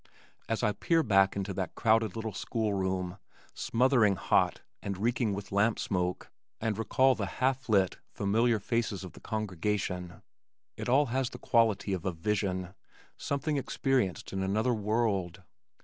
As I peer back into that crowded little schoolroom, smothering hot and reeking with lamp smoke, and recall the half lit, familiar faces of the congregation, it all has the quality of a vision, something experienced in another world.